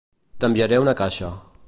T'enviaré una caixa.